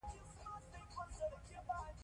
زموږ په خاوره انتظار کې مېړني پیدا کېږي.